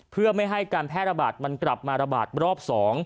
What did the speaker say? เพื่อไม่ให้การแพร่ระบาดมันกลับมาระบาดรอบ๒